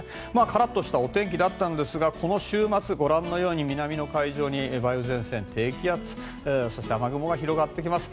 カラッとしたお天気だったんですがこの週末ご覧のように南の海上に梅雨前線、低気圧そして雨雲が広がってきます。